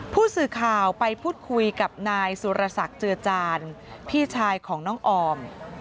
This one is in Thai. ผู้สื่อข่าวไปพูดคุยกับนายสุรศักดิ์เจือจานพี่ชายของน้องออม